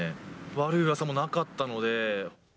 悪いうわさもなかったので。